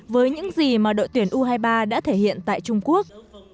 với những gì mà đội tuyển u hai mươi ba đã thể hiện tại trung quốc